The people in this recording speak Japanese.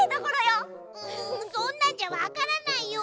そんなんじゃわからないよ。